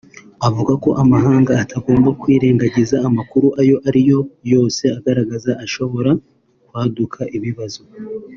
avuga ko amahanga atagomba kwirengagiza amakuru ayo ari yo yose agaragaza ahashobora kwaduka ibibazo